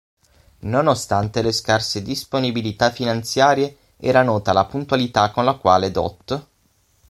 Nonostante le scarse disponibilità finanziarie era nota la puntualità con la quale Dott.